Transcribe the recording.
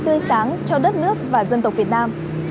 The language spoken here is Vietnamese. một tương lai sáng cho đất nước và dân tộc việt nam